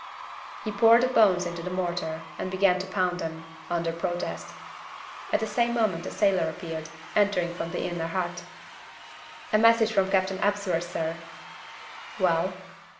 He poured the bones into the mortar, and began to pound them under protest. At the same moment a sailor appeared, entering from the inner hut. "A message from Captain Ebsworth, sir." "Well?"